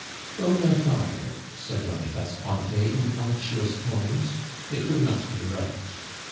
"Go no farther," said Boniface Cointet in unctuous tones; "it would not be right.